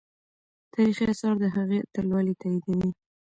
تاریخي آثار د هغې اتلولي تاییدوي.